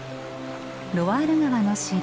ロワール川の支流